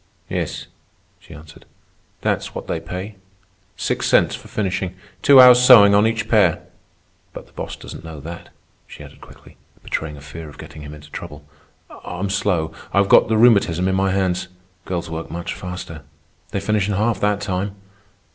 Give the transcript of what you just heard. "Yes," she answered, "that is what they pay. Six cents for finishing. Two hours' sewing on each pair." "But the boss doesn't know that," she added quickly, betraying a fear of getting him into trouble. "I'm slow. I've got the rheumatism in my hands. Girls work much faster. They finish in half that time.